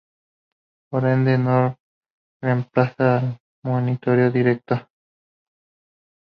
Por ende, no reemplaza al monitoreo directo.